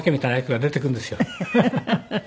フフフフ。